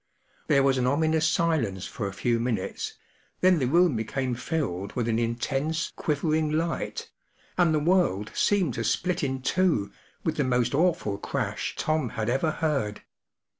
There was an ominous silence for a few minutes, then the room became filled with an intense, quivering light, and the world seemed to split in two with the most awful crash Tom had ever heard.